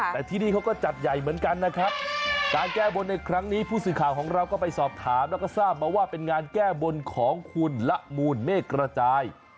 แต่ที่นี่เขาก็จัดใหญ่เหมือนกันนะครับการแก้บนในครั้งนี้ผู้สื่อข่าวของเราก็ไปสอบถามแล้วก็ทราบมาว่าเป็นงานแก้บนของคุณละมูลเมฆกระจาย